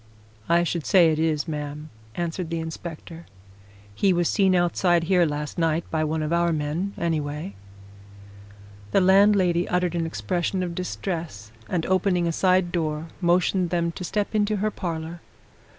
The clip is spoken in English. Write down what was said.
"I should say it is, ma'am," answered the inspector. "He was seen outside here last night by one of our men, anyway." The landlady uttered an expression of distress, and opening a side door, motioned them to step into her parlour.